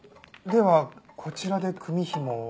ではこちらで組紐を？